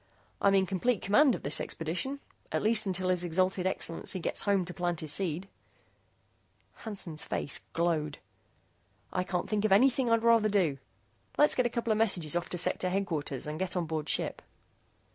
"I'm in complete command of this expedition at least until His Exalted Excellency gets home to plant his seed." Hansen's face glowed. "I can't think of anything I'd rather do. Let's get a couple of messages off to Sector Headquarters and get on board ship."